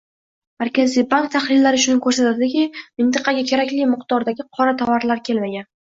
Markaziy bank tahlillari shuni ko'rsatdiki, mintaqaga kerakli miqdordagi qora tovarlar kelmagan